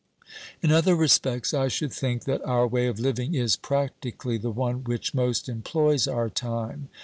In other respects I should think that our way of living is practically the one which most employs our time.